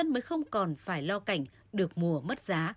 mới không còn phải lo cảnh được mùa mất giá